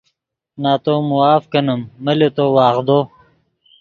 نتو معاف کینیم من لے تو وغدو